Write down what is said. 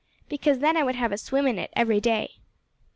"Because then I would have a swim in it everyday."